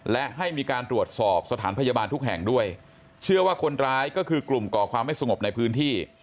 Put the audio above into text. และให้มีการตรวจสอบสถานพยาบาลทุกแห่งด้วยเชื่อว่าคนร้ายก็คือกลุ่มก่อความไม่สงบในพื้นที่